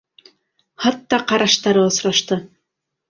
Хатта ҡараштары осрашты.